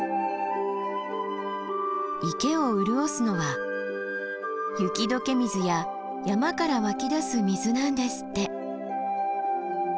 池を潤すのは雪解け水や山から湧き出す水なんですって。